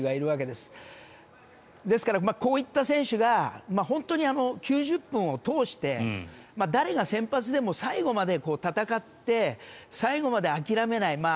ですから、こういった選手が９０分を通して誰が先発でも最後まで戦って最後まで諦めない。